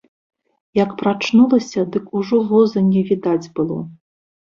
Як прачнулася, дык ужо воза не відаць было.